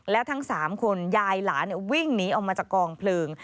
แล้วทั้ง๓คนยายหลานวิ่งหนีออกมาจากกองเพลิง